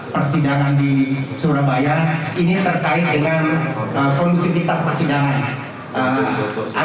persidangan di surabaya ini terkait dengan kondisi pindah persidangan